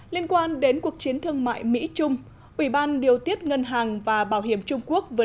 liên quan đến cuộc chiến thương mại mỹ trung ủy ban điều tiết ngân hàng và bảo hiểm trung quốc vừa